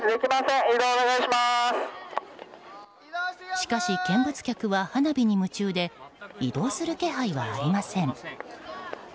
しかし見物客は花火に夢中で移動する気配はありません。